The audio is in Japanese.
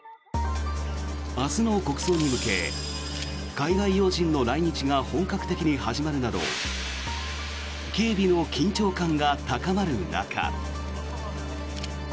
明日の国葬に向け海外要人の来日が本格的に始まるなど警備の緊張感が高まる中。